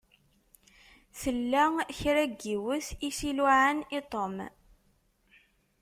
Tella kra n yiwet i s-iluɛan i Tom.